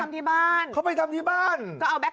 นี่เขามาทำที่บ้านใช่ไหม